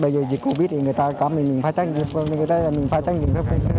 bây giờ dịch covid thì người ta cầm mình phải trách nhiệm mình phải trách nhiệm